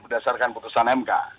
berdasarkan putusan mk